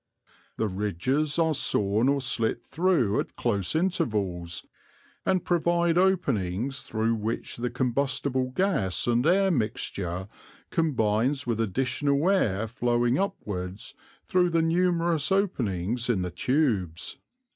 The ridges are sawn or slit through at close intervals, and provide openings through which the combustible gas and air mixture combines with additional air flowing upwards through the numerous openings in the tubes."